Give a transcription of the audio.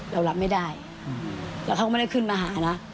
เรารับไม่ได้แล้วเขาก็ไม่ได้ขึ้นมาหานะ